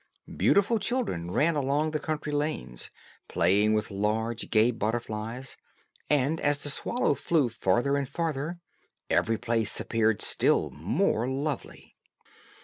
Beautiful children ran along the country lanes, playing with large gay butterflies; and as the swallow flew farther and farther, every place appeared still more lovely.